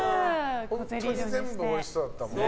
本当に全部おいしそうだったもんね。